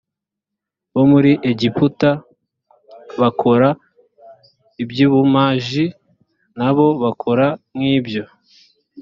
bo muri egiputa bakora iby ubumaji na bo bakora nk ibyo